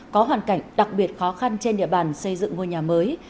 có hoàn cảnh đặc biệt khó khăn trên địa bàn xây dựng ngôi nhà mới